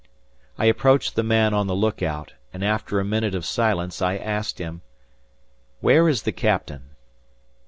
I approached the man on the look out, and after a minute of silence I asked him, "Where is the Captain?"